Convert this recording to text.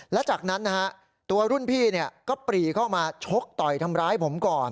และจากนั้นนะฮะตัวรุ่นพี่ก็ปรีเข้ามาชกต่อยทำร้ายผมก่อน